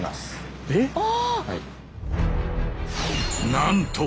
なんと！